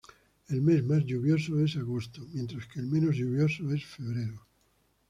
El mes más lluvioso es agosto, mientras que el menos lluvioso es febrero.